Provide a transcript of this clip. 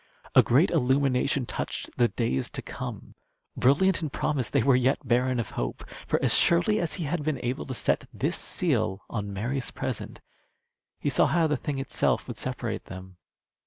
A great illumination touched the days to come. Brilliant in promise, they were yet barren of hope. For as surely as he had been able to set this seal on Mary's present, he saw how the thing itself would separate them.